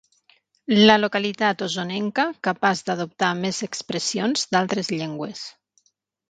La localitat osonenca capaç d'adoptar més expressions d'altres llengües.